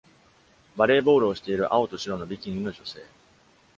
バレーボールをしている青と白のビキニの女性